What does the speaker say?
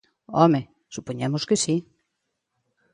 Home, supoñemos que si.